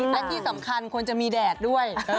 และที่สำคัญควรจะมีแดดด้วย